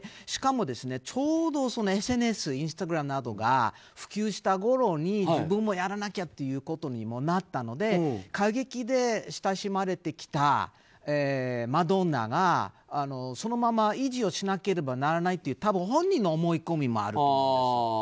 しかも、ちょうどＳＮＳインスタグラムなどが普及したころに自分もやらなきゃということにもなったので過激で親しまれてきたマドンナがそのまま維持をしなければならないという多分、本人の思い込みもあると思うんです。